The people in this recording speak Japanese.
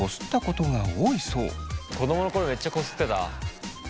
子供の頃めっちゃこすってた。